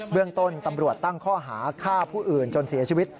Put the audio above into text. เรื่องต้นตำรวจตั้งข้อหาฆ่าผู้อื่นจนเสียชีวิต